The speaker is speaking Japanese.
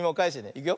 いくよ。